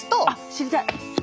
知りたい！